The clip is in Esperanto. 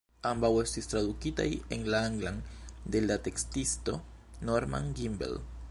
Ambaŭ estis tradukitaj en la anglan de la tekstisto Norman Gimbel.